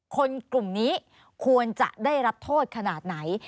คนกลุ่มนี้ควรจะได้รับโทษขนาดไหน